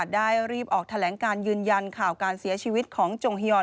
ได้รีบออกแถลงการยืนยันข่าวการเสียชีวิตของจงฮียอน